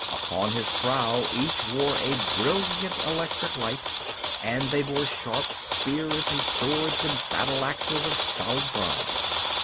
Upon his brow each wore a brilliant electric light, and they bore sharp spears and swords and battle axes of solid bronze.